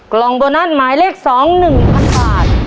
กล่องโบนัสหมายเลข๒๑๐๐๐บาท